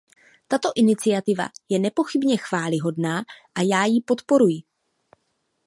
Tato iniciativa je nepochybně chvályhodná a já ji podporuji.